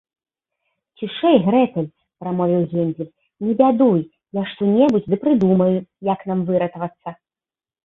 - Цішэй, Грэтэль, - прамовіў Гензель, - не бядуй, я што-небудзь ды прыдумаю, як нам выратавацца